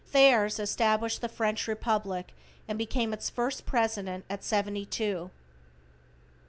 Theirs established the French Republic and became its first president at seventy two.